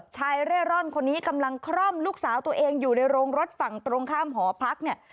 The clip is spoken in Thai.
เร่ร่อนคนนี้กำลังคร่อมลูกสาวตัวเองอยู่ในโรงรถฝั่งตรงข้ามหอพักเนี่ย